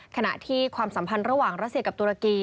ขณะที่ความสัมพันธ์ระหว่างรัสเซียกับตุรกี